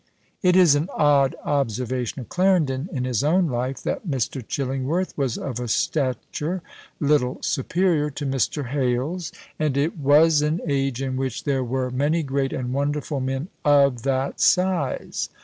It is an odd observation of Clarendon in his own life, that "Mr. Chillingworth was of a stature little superior to Mr. Hales; and it was an age in which there were many great and wonderful men of THAT SIZE."